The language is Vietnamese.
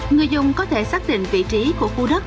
người dùng có thể xác định vị trí của khu đất